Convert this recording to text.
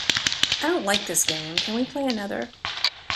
I don't like this game, can we play another?